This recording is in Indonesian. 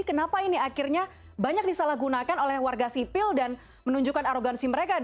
kenapa ini akhirnya banyak disalahgunakan oleh warga sipil dan menunjukkan arogansi mereka